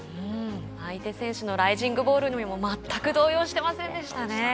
相手選手のライジングボールにも全く動揺していませんでした。